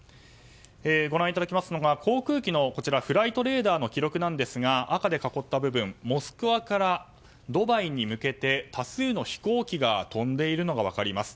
ご覧いただきますのが航空機のフライトレコーダーの記録なんですが赤で囲った部分モスクワからドバイに向けて多数の飛行機が飛んでいるのが分かります。